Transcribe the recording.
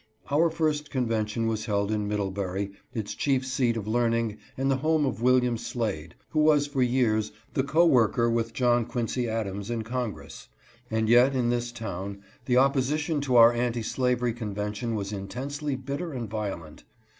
Our first convention was held in Middle (280) FORTY YEARS AGO. 281 bury, its chief seat of learning and the home of William Slade, who was for years the co worker with John Quincy Adams in Congress ; and yet in this town the opposition to our anti slavery convention was intensely bitter and violent.